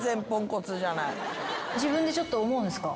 自分でちょっと思うんですか？